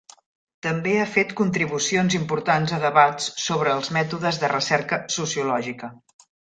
També ha fet contribucions importants a debats sobre els mètodes de recerca sociològica.